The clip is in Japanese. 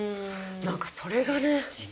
何かそれがね。